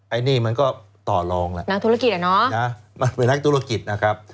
อันนี้มันก็ต่อลองแล้วนักธุรกิจอะเนาะมันเป็นนักธุรกิจนะครับ